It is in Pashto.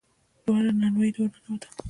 دواړه نانوايي ته ور ننوتل.